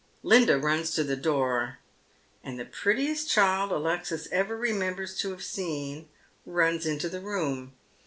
Linda runs to the door, and the prettiest child Alexia «ver remembers to have seen runs into the room.